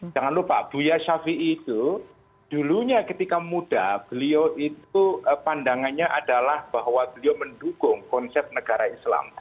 jangan lupa buya ⁇ shafii ⁇ itu dulunya ketika muda beliau itu pandangannya adalah bahwa beliau mendukung konsep negara islam